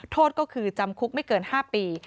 โทษก็คือจำคุกไม่เกิน๕ปี